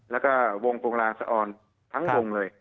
แล้วก็วงปรงล่าสอร์ทั้งวงเลย